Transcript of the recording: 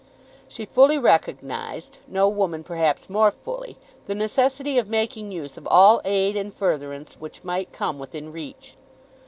She fully recognised, no woman perhaps more fully, the necessity of making use of all aid and furtherance which might come within reach.